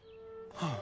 はあ。